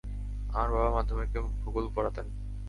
আমার বাবা মাধ্যমিকে ভূগোল পড়াতেন।